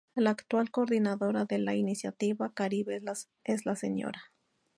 La actual Coordinadora de la Iniciativa Caribe es la "Sra.